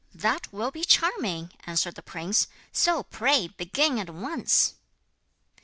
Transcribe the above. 'That will be charming,' answered the prince, 'so pray begin at once.'